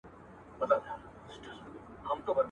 دوه پکه، هغه هم سره ورکه.